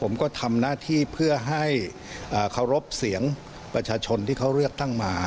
ผมก็ทำหน้าที่เพื่อให้เคารพเสียงประชาชนที่เขาเลือกตั้งมา